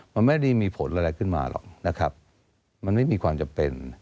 มันไม่ได้มีผลอะไรขึ้นมาหรอกนะครับมันไม่มีความจำเป็น